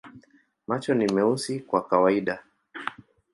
Macho ni meusi kwa kawaida.